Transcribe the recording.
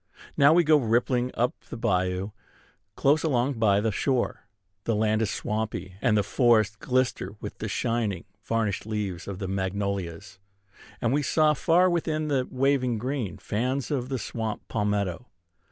Now we go rippling up the bayou, close along by the shore. The land is swampy, and the forests glister with the shining, varnished leaves of the magnolias; and we saw far within the waving green fans of the swamp palmetto.